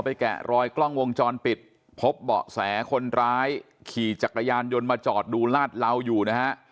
แกะรอยกล้องวงจรปิดพบเบาะแสคนร้ายขี่จักรยานยนต์มาจอดดูลาดเหลาอยู่นะฮะ